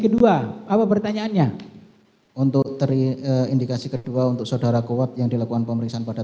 kedua apa pertanyaannya untuk teri indikasi kedua untuk saudara kuat yang dilakukan pemeriksaan pada